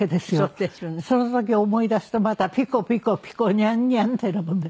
その時思い出すとまた「ピコピコピコニャンニャン」ってなもので。